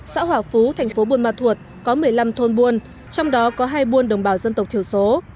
xã hòa phú thành phố buôn ma thuột có một mươi năm thôn buôn trong đó có hai buôn đồng bào dân tộc thiểu số